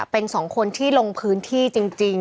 เป็นสองคนที่ลงพื้นที่จริง